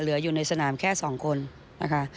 เหลืออยู่ในสนามแค่สองคนนะคะ